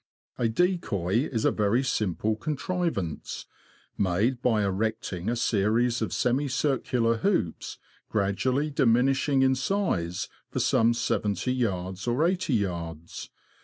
A decoy is a very simple contrivance, made by erecting a series of semicircular hoops, gradually diminishing in size, for some 70yds. or 8oyds.